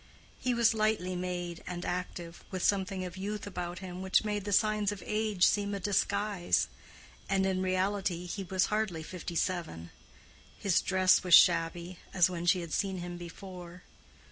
He was lightly made and active, with something of youth about him which made the signs of age seem a disguise; and in reality he was hardly fifty seven. His dress was shabby, as when she had seen him before.